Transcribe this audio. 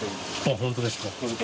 本当ですか？